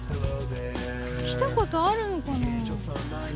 来たことあるのかな。